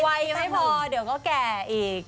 ไวให้พอเดี๋ยวก็แก่อีก